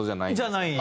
じゃない。